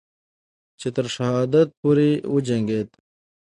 چې تر شهادت پورې وجنگید